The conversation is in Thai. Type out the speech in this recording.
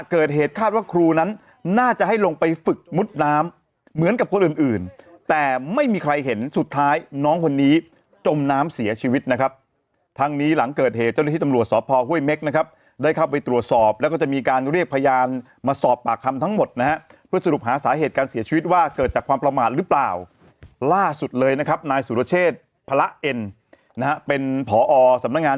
คาดว่าครูนั้นน่าจะให้ลงไปฝึกมุดน้ำเหมือนกับคนอื่นแต่ไม่มีใครเห็นสุดท้ายน้องคนนี้จมน้ำเสียชีวิตนะครับทั้งนี้หลังเกิดเหตุเจ้าหน้าที่ตำรวจสอบพ่อห้วยเม็กซ์นะครับได้เข้าไปตรวจสอบแล้วก็จะมีการเรียกพยานมาสอบปากคำทั้งหมดนะเพื่อสรุปหาสาเหตุการเสียชีวิตว่าเกิดจากความประมาทหรือเปล่า